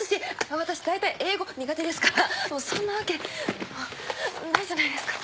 私だいたい英語苦手ですからそんなわけないじゃないですか。